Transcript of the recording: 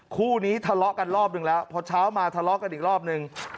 คู่นี้ทะเลาะกันรอบหนึ่งแล้วพอเช้ามาทะเลาะกันอีกรอบนึง